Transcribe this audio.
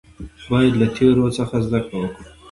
باید له تیرو څخه زده کړه وکړو